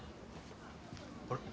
あれ？